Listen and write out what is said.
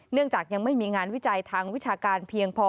จากยังไม่มีงานวิจัยทางวิชาการเพียงพอ